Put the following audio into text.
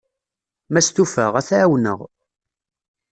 Ma stufaɣ, ad t-ɛawneɣ.